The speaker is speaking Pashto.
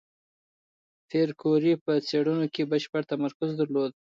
پېیر کوري په څېړنو کې بشپړ تمرکز درلود.